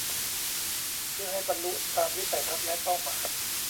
เพื่อให้บรรลุตามวิสัยทัศน์และเป้าหมาย